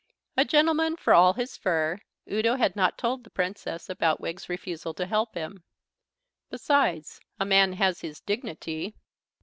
A gentleman for all his fur, Udo had not told the Princess about Wiggs's refusal to help him. Besides, a man has his dignity.